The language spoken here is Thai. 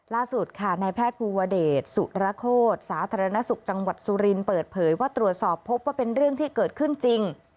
ล่าสุดค่ะนายแพทย์ภูวเดชสุรโคตรสาธารณสุขจังหวัดสุรินทร์เปิดเผยว่าตรวจสอบพบว่าเป็นเรื่องที่เกิดขึ้นจริง